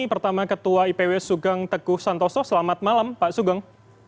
pertama ketua ipw sugeng teguh santoso selamat malam pak sugeng